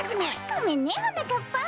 ごめんねはなかっぱん。